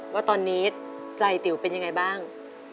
ว่าตอนนี้ใจติ๋วเป็นยังไงบ้าง